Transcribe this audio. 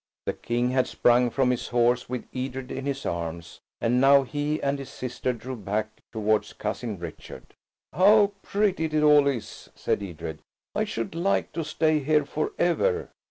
The King had sprung from his horse with Edred in his arms, and now he and his sister drew back towards Cousin Richard. "How pretty it all is!" said Edred. "I should like to stay here for ever."